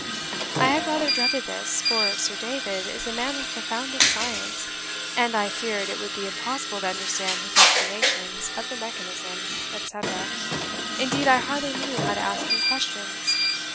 I had rather dreaded this, for Sir David is a man of profoundest science, and I feared it would be impossible to understand his explanations of the mechanism, etc.; indeed, I hardly knew how to ask him questions.